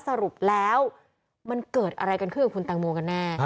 สรุปแล้วมันเกิดอะไรกันขึ้นกับคุณแตงโมกันแน่